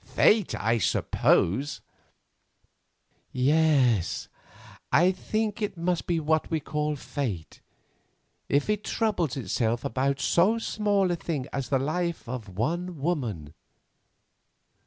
"Fate, I suppose." "Yes, I think it must be what we call fate—if it troubles itself about so small a thing as the life of one woman."